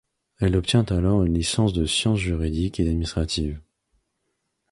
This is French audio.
Elle obtient alors une licence de sciences juridiques et administratives.